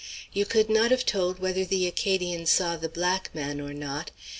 You could not have told whether the Acadian saw the black man or not.